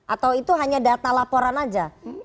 atau itu hanya data laporan saja